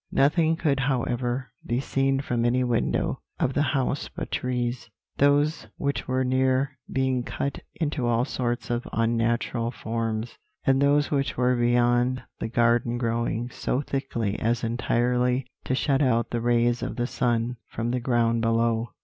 Nothing could, however, be seen from any window of the house but trees; those which were near being cut into all sorts of unnatural forms, and those which were beyond the garden growing so thickly as entirely to shut out the rays of the sun from the ground below."